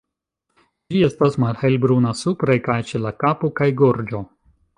Ĝi estas malhelbruna supre kaj ĉe la kapo kaj gorĝo.